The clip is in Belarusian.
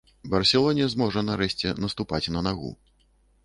Барселоне зможа нарэшце наступаць на нагу.